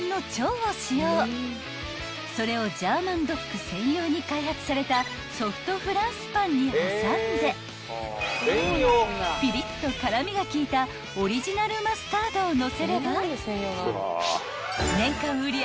［それをジャーマンドック専用に開発されたソフトフランスパンに挟んでピリッと辛味が効いたオリジナルマスタードをのせれば］